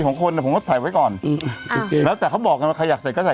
ของคนแต่ผมก็ใส่ไว้ก่อนอ่าแล้วแต่เขาบอกกันว่าใครอยากใส่ก็ใส่